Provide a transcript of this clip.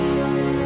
itu ama dia